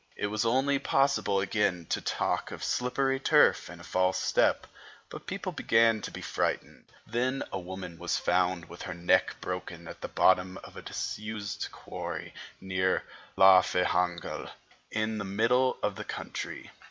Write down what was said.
It was only possible again to talk of slippery turf and a false step; but people began to be frightened. Then a woman was found with her neck broken at the bottom of a disused quarry near Llanfihangel, in the middle of the county.